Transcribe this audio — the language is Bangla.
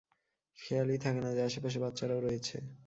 খেয়ালই থাকে না যে, আশেপাশে বাচ্চারাও রয়েছে।